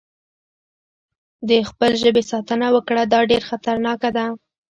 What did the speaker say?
د خپل ژبې ساتنه وکړه، دا ډېره خطرناکه ده.